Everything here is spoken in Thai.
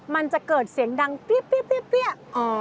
มันจะเกิดเสียงดังปี้๊บปี้๊บปี้๊บปี้๊บ